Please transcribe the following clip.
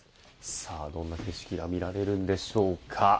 どんな景色が見られるんでしょうか。